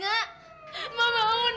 ya ma tante inga